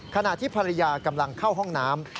ขณะที่ภรรยากำลังเข้าห้องน้ำ